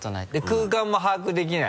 空間も把握できない？